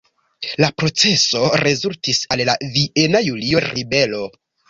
La proceso rezultis al la Viena Julio-ribelo.